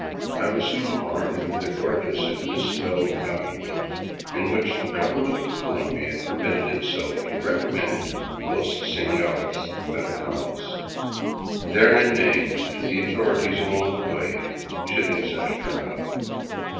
I was soon armed with a gorgeous, if misspelled, document in which the Government of Colombia permitted itself to recommend los senores americanos therein named to the authorities along the way — should any such turn up.